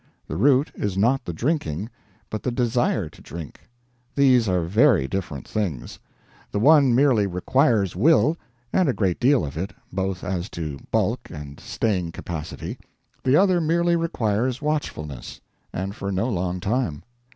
The root is not the drinking, but the desire to drink. These are very different things. The one merely requires will and a great deal of it, both as to bulk and staying capacity the other merely requires watchfulness and for no long time.